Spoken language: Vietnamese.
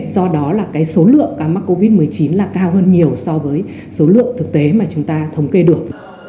do đó là cái số lượng ca mắc covid một mươi chín là cao hơn nhiều so với số lượng thực tế mà chúng ta thống kê được